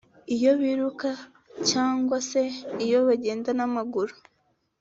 iyo biruka cyangwa se iyo bagenda n’amaguru